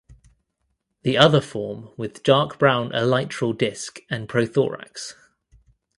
The other form with dark brown elytral disc and prothorax.